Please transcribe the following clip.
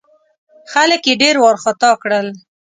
خلک یې ډېر وارخطا کړل.